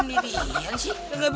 gak bisa begitu dong pak amir